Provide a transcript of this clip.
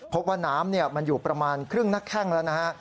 พบว่าน้ำมันอยู่ประมาณครึ่งหน้าแข้งแล้วนะฮะ